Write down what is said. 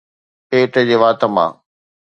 پيٽ جي وات مان